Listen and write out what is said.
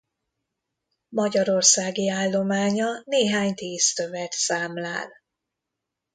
Magyarországi állománya néhány tíz tövet számlál.